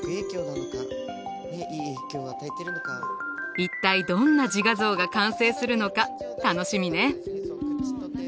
一体どんな自画像が完成するのか楽しみね。